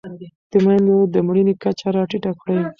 د مېندو د مړینې کچه راټیټه کړئ.